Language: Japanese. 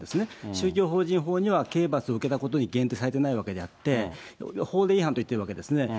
宗教法人法には刑罰を受けたことに限定されていないわけであって、法令違反といっているわけですよね。